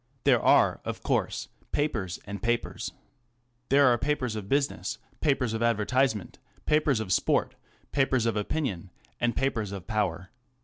There are of course papers and papers. There are papers of business, papers of advertisement, papers of sport, papers of opinion, and papers of power.